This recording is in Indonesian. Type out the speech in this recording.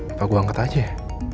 apa gue angkat aja ya